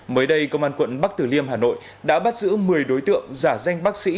mới đây công an quận bắc tử liêm hà nội đã bắt giữ một mươi đối tượng giả danh bác sĩ